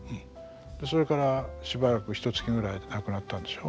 それからしばらくひとつきぐらいで亡くなったでしょ。